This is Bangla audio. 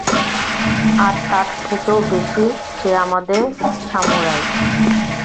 আর তার থেকেও বেশি, সে আমাদের সামুরাই।